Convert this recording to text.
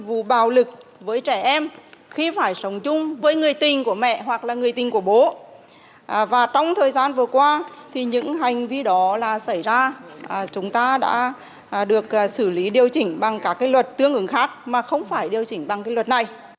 và trong thời gian vừa qua thì những hành vi đó là xảy ra chúng ta đã được xử lý điều chỉnh bằng các cái luật tương ứng khác mà không phải điều chỉnh bằng cái luật này